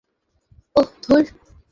ওহ, ধূর!